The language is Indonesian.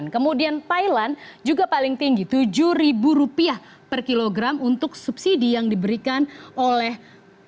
kemudian thailand juga paling tinggi rp tujuh per kilogram untuk subsidi yang diberikan oleh